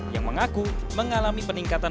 yang mengaku mengalami peningkatan